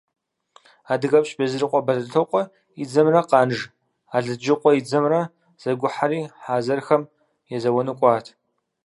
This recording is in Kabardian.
Адыгэпщ Безрыкъуэ Бэлэтокъуэ и дзэмрэ Къанж Алыджыкъуэ и дзэмрэ зэгухьэри, хъэзэрхэм езэуэну кӏуат.